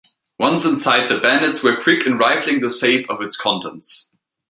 Once inside the bandits were quick in rifling the safe of its contents.